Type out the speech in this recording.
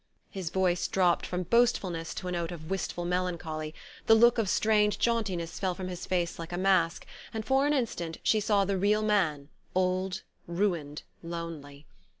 His voice dropped from boastfulness to a note of wistful melancholy, the look of strained jauntiness fell from his face like a mask, and for an instant she saw the real man, old, ruined, lonely.